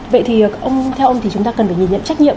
vậy thì ông theo ông thì chúng ta cần phải nhìn nhận trách nhiệm